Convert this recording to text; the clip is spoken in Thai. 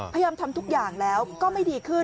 พยายามทำทุกอย่างแล้วก็ไม่ดีขึ้น